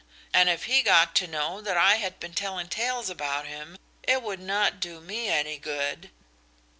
And if he got to know that I had been telling tales about him it would not do me any good."